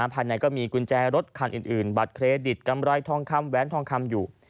ภายในก็มีกุญแจรถคันอื่นบัตรเครดิตกำไรทองคำแหวนทองคำอยู่